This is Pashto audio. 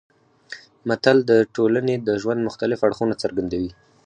متل د ټولنې د ژوند مختلف اړخونه څرګندوي